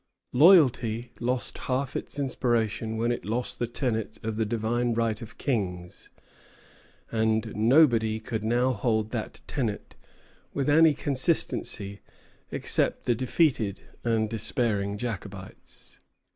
Loyalty lost half its inspiration when it lost the tenet of the divine right of kings; and nobody could now hold that tenet with any consistency except the defeated and despairing Jacobites.